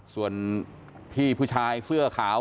ส่วนพี่ผู้ชายเสื้อขาว